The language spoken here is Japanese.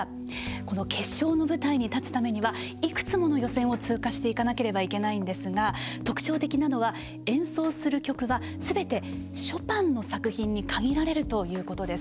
この決勝の舞台に立つためにはいくつもの予選を通過していかなければいけないんですが特徴的なのは、演奏する曲はすべてショパンの作品に限られるということです。